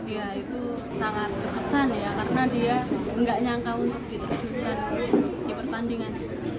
ya itu sangat berkesan ya karena dia nggak nyangka untuk diperbandingan